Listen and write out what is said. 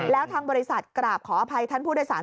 แล้วทางบริษัทกราบขออภัยท่านผู้โดยสาร